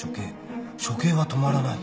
処刑はとまらない」